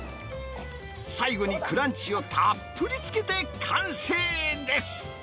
最後にクランチをたっぷりつけて完成です。